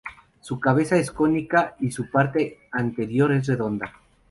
Su cabeza es cónica y su parte anterior es redondeada.